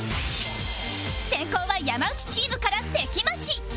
先攻は山内チームから関町